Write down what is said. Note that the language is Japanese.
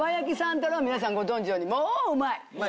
太郎は皆さんご存じのようにもううまい！